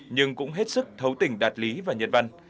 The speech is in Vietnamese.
nhưng cũng hết sức thấu tình đạt lý và nhận văn